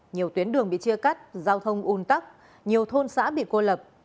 nhiều tuyến đường bị chia cắt giao thông un tắc nhiều thôn xã bị cô lập